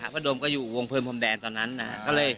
พ่อดมก็อยู่วงเพลิมพลัมแบงตอนนั้นนะครับ